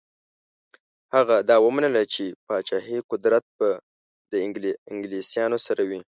هغه دا ومنله چې پاچهي قدرت به له انګلیسیانو سره وي.